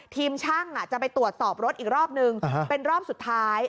ทีมช่างจะไปตรวจสอบรถอีกรอบนึงเป็นรอบสุดท้าย